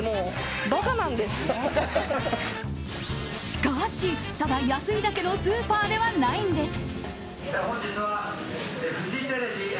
しかし、ただ安いだけのスーパーではないんです。